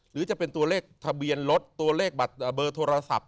หรือจะเป็นตัวเลขทะเบียนรถตัวเลขเบอร์โทรศัพท์